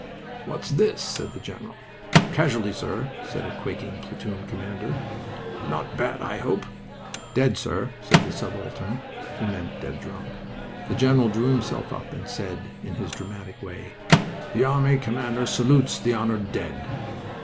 "What's this?" said the general. "Casualty, sir," said the quaking platoon commander. "Not bad, I hope?" "Dead, sir," said the subaltern. He meant dead drunk. The general drew himself up, and said, in his dramatic way, "The army commander salutes the honored dead!"